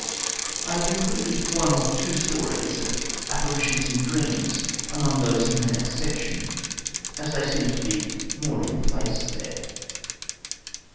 I have included one or two stories of apparitions in dreams among those in the next section, as they seemed to be more in place there.